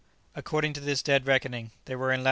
According to this dead reckoning they were in lat.